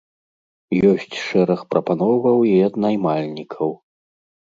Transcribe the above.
Ёсць шэраг прапановаў і ад наймальнікаў.